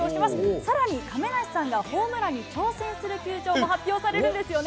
さらに亀梨さんがホームランに挑戦する球場も発表されるんですよ